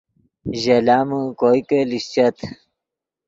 ژے لامے کوئے کہ لیشچت